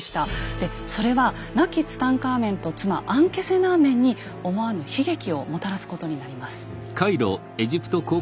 でそれは亡きツタンカーメンと妻・アンケセナーメンに思わぬ悲劇をもたらすことになります。